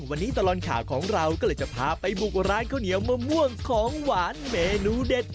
วันนี้ตลอดข่าวของเราก็เลยจะพาไปบุกร้านข้าวเหนียวมะม่วงของหวานเมนูเด็ด